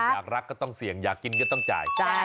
อยากรักก็ต้องเสี่ยงอยากกินก็ต้องจ่าย